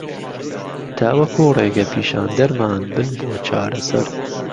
تاوهکوو رێگهپیشاندهرمان بن بۆ چارهسهر